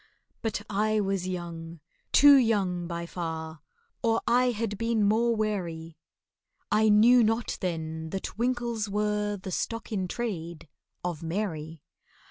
But I was young—too young, by far— Or I had been more wary, I knew not then that winkles are The stock in trade of MARY.